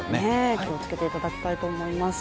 気をつけていただきたいと思います。